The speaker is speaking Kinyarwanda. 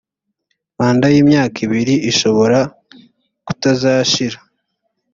manda y ‘imyaka ibiri ishobora kutazashira.